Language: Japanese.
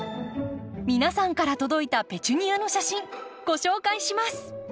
皆さんから届いたペチュニアの写真ご紹介します！